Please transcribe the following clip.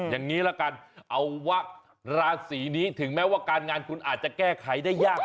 อย่างนี้ละกันเอาว่าราศีนี้ถึงแม้ว่าการงานคุณอาจจะแก้ไขได้ยาก